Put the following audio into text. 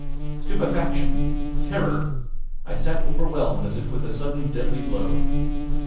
Stupefaction! terror! I sat overwhelmed as if with a sudden deadly blow.